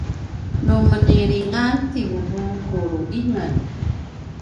nu menilingan ti vuvu ku lu’ingen